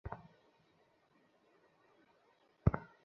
আমাদের বিপুল সম্ভাবনা থাকা সত্ত্বেও পর্যটন খাত আশানুরূপ সেবা দিতে পারছে না।